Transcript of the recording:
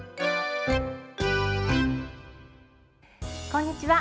こんにちは。